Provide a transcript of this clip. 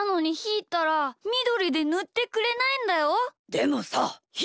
でもさひ